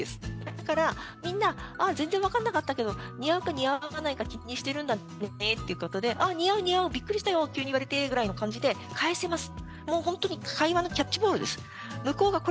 だから、みんなああ、全然分かんなかったけど似合うか似合わないか気にしてるんだねっていうことで似合う似合うびっくりしたよ急に言われて、ぐらいの感じで返せます。